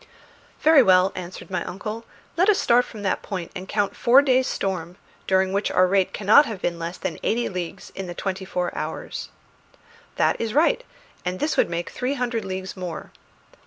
"Very well," answered my uncle; "let us start from that point and count four days' storm, during which our rate cannot have been less than eighty leagues in the twenty four hours." "That is right; and this would make three hundred leagues more."